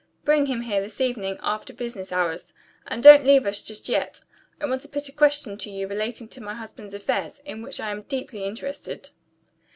Bring him here this evening, after business hours. And don't leave us just yet; I want to put a question to you relating to my husband's affairs, in which I am deeply interested."